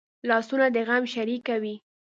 لاسونه د غم شریکه وي